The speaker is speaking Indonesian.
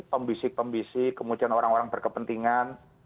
pembisik pembisik kemudian orang orang berkepentingan